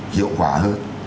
hiệu quả hơn